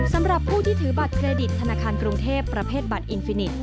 สำหรับผู้ที่ถือบัตรเครดิตธนาคารกรุงเทพประเภทบัตรอินฟินิต